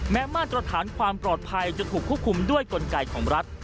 มาตรฐานความปลอดภัยจะถูกควบคุมด้วยกลไกของรัฐ